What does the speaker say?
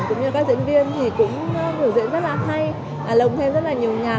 cũng như các diễn viên thì cũng biểu diễn rất là hay lồng thêm rất là nhiều nhạc